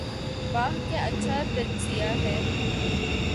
'' واہ کیا اچھا تجزیہ ہے۔